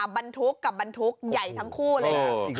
บนทุกของบนทุกใหญ่ทั้งคู่เลย